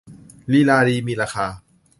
ลีลาดีมีราคา